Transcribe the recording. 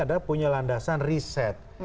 adalah punya landasan riset